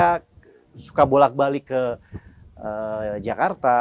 sekarang saya suka bolak balik ke jakarta